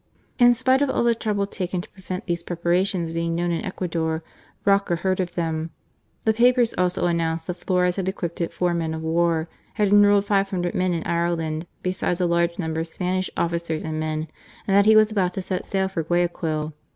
In spite of all the trouble taken to prevent these preparations being known in Ecuador, Roca heard of them. The papers also announced that Flores had equipped four men of war, had enrolled five hundred men in Ireland, besides a large number of Spanish officers and men, and that he was about to set sail for Guayaquil.